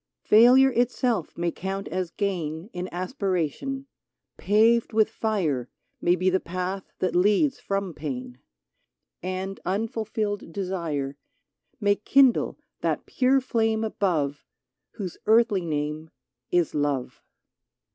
Failure itself may count as gain In aspiration ; paved with fire May be the path that leads from pain ; And unfulfilled desire May kindle that pure flame above Whose earthly name is love!